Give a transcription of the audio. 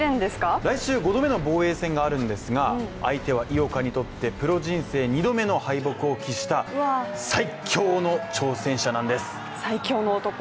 来週、５度目の防衛戦があるんですが、相手は井岡にとってプロ人生２度目の敗北を喫した最強の挑戦者なんです。